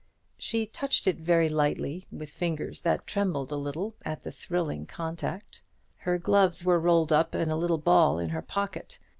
She touched it very lightly, with fingers that trembled a little at the thrilling contact. Her gloves were rolled up in a little ball in her pocket.